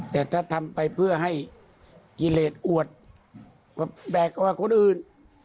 แต่ถ้าทำไปเพื่อให้กิเลสอวดแบกกว่าคนอื่น